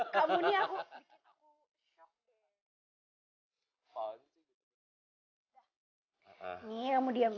kau terima kasih